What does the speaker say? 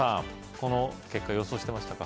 この結果予想してましたか？